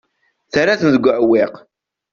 Terra-ten deg uɛewwiq.